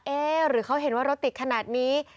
หรือเขาเห็นว่ารถติดขนาดนี้